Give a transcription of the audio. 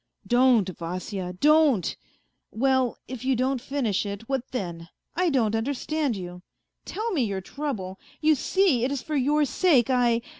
" Don't, Vasya, don't ! Well, if you don't finish it, what then ? I don't understand you ; tell me your trouble. You see it is for your sake I.